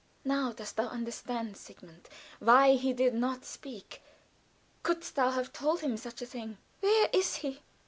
"Now dost thou understand, Sigmund, why he did not speak? Couldst thou have told him such a thing?" "Where is he?"